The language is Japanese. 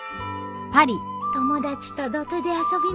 「友達と土手で遊びました」